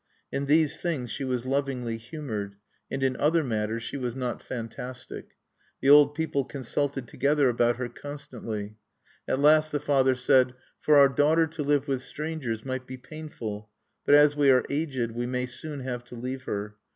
In these things she was lovingly humored; and in other matters she was not fantastic. The old people consulted together about her constantly. At last the father said: "For our daughter to live with strangers might be painful. But as we are aged, we may soon have to leave her.